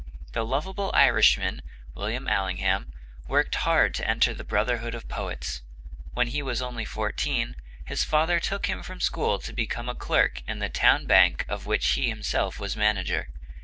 The lovable Irishman, William Allingham, worked hard to enter the brotherhood of poets. When he was only fourteen his father took him from school to become clerk in the town bank of which he himself was manager.